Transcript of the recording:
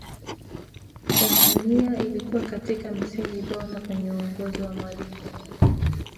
tanzania ilikuwa katika misingi bora kwenye uongozi wa mwalimu